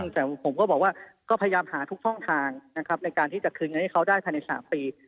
แต่ผมก็พยายามหาทุกท่องทางในการคืนเงินให้เขาได้ภายใน๓ปี